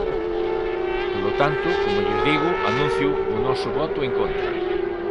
Polo tanto, como lles digo, anuncio o noso voto en contra.